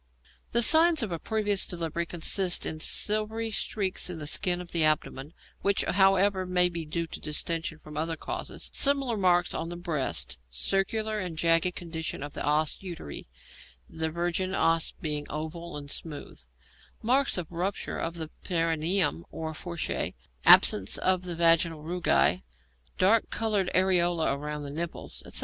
The signs of a previous delivery consist in silvery streaks in the skin of the abdomen, which, however, may be due to distension from other causes; similar marks on the breast; circular and jagged condition of the os uteri (the virgin os being oval and smooth); marks of rupture of the perineum or fourchette; absence of the vaginal rugæ; dark coloured areola round the nipples, etc.